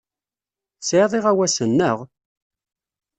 Tesɛiḍ iɣawasen, naɣ?